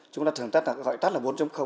chúng ta thường gọi tắt là bốn